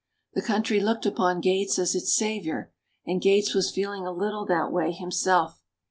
The country looked upon Gates as its savior, and Gates was feeling a little that way himself.